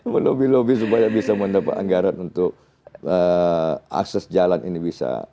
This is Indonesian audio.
melobi lobi supaya bisa mendapat anggaran untuk akses jalan ini bisa